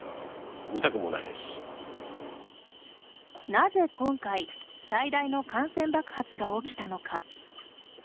なぜ今回最大の感染爆発が起きたのか。